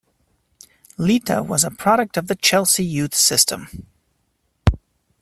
Lita was a product of the Chelsea youth system.